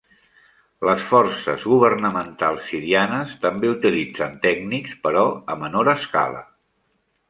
Les forces governamentals sirianes també utilitzen tècnics, però a menor escala.